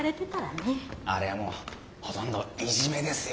あれはもうほとんどイジメですよ。